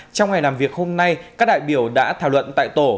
trong ngày làm việc hôm nay các đại biểu đã thảo luận tại tổ